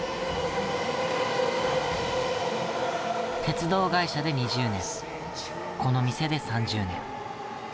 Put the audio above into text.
鉄道会社で２０年この店で３０年。